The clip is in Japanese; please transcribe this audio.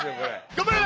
頑張れ！